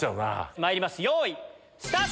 まいりますよいスタート！